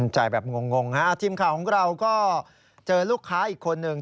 ใจแบบงงฮะทีมข่าวของเราก็เจอลูกค้าอีกคนนึง